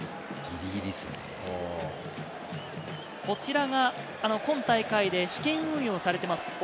こちらが今大会で試験運用されています